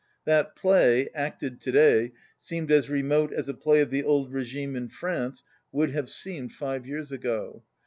That play, acted to day, seemed as remote as a play of the old regime in France would have 140 seemed five years ago.